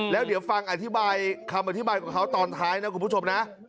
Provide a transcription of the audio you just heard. แล้วเดี๋ยวฟังอธิบายคำอธิบายของเขาตอนท้ายนะคุณผู้ชมนะ